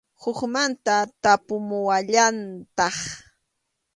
Hukmanta tapumuwallantaq.